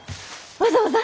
わざわざ？